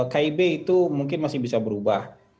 kib itu mungkin masih bisa berubah